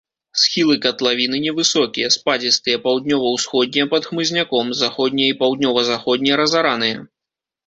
Схілы катлавіны невысокія, спадзістыя, паўднёва-ўсходнія пад хмызняком, заходнія і паўднёва-заходнія разараныя.